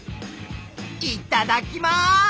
いただきます！